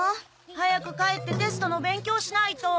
早く帰ってテストの勉強しないと。